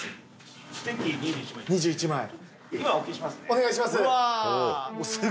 お願いします。